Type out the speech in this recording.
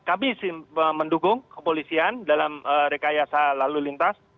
kami mendukung kepolisian dalam rekayasa lalu lintas